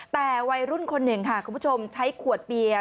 แต่วัยรุ่นคนหนึ่งค่ะคุณผู้ชมใช้ขวดเบียร์